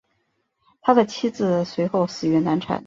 他的妻子随后死于难产。